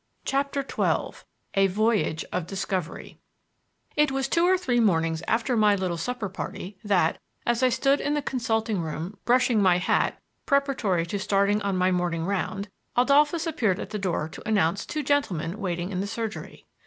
CHAPTER XII A VOYAGE OF DISCOVERY It was two or three mornings after my little supper party that, as I stood in the consulting room brushing my hat preparatory to starting on my morning round, Adolphus appeared at the door to announce two gentlemen waiting in the surgery.